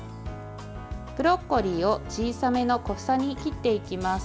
ブロッコリーを小さめの小房に切っていきます。